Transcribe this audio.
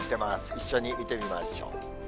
一緒に見てみましょう。